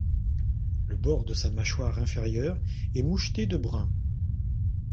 Le bord de sa mâchoire inférieure est moucheté de brun.